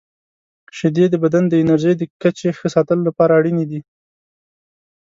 • شیدې د بدن د انرژۍ د کچې ښه ساتلو لپاره اړینې دي.